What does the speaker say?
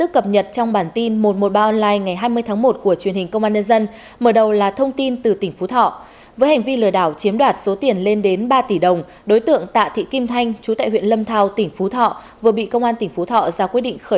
các bạn hãy đăng ký kênh để ủng hộ kênh của chúng mình nhé